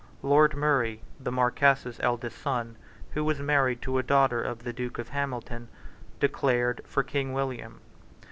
Lord Murray, the Marquess's eldest son, who was married to a daughter of the Duke of Hamilton, declared for King William.